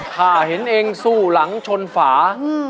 ถ้าเห็นเองสู้หลังชนฝา